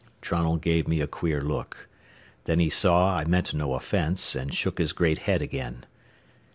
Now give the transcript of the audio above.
Trunnell gave me a queer look. Then he saw I meant no offence and shook his great head again.